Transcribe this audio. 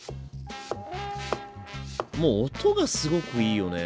もう音がすごくいいよね。